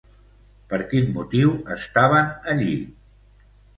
Per quin motiu estaven allí?